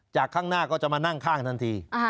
ข้างหน้าก็จะมานั่งข้างทันที